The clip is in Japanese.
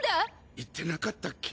言ってなかったっけ？